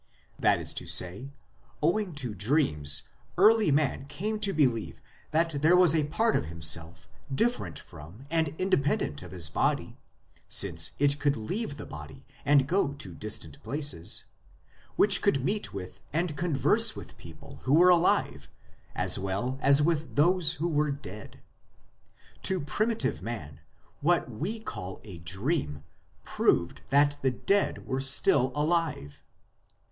l That is to say, that, owing to dreams early man came to believe that there was a part of himself, different from and independent of his body since it could leave the body and go to " distant places " which could meet with and converse with people who were alive, as well as with those who were dead. To primitive man what we call a dream proved that the dead were still alive.